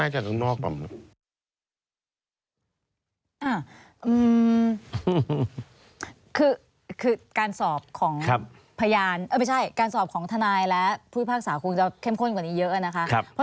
จำไม่ได้นะน่าจะข้างนอก